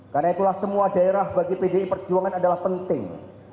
karena itulah semua daerah bagi pdi perjuangan adalah penting